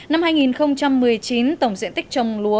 năm hai nghìn một mươi chín tổng diện tích trồng lúa